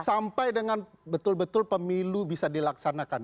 sampai dengan betul betul pemilu bisa dilaksanakan